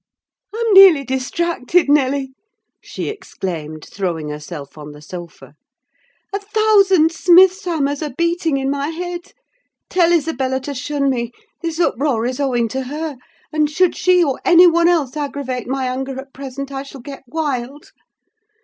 "I'm nearly distracted, Nelly!" she exclaimed, throwing herself on the sofa. "A thousand smiths' hammers are beating in my head! Tell Isabella to shun me; this uproar is owing to her; and should she or any one else aggravate my anger at present, I shall get wild.